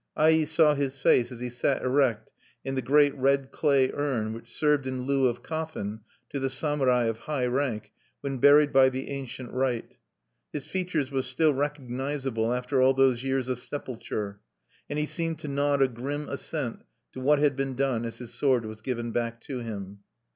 Ai saw his face as he sat erect in the great red clay urn which served in lieu of coffin to the samurai of high rank when buried by the ancient rite. His features were still recognizable after all those years of sepulture; and he seemed to nod a grim assent to what had been done as his sword was given back to him.